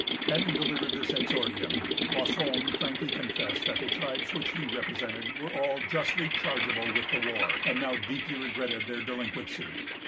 Having delivered this exordium, Wasson frankly confessed that the tribes which he represented were all justly chargeable with the war, and now deeply regretted their delinquency.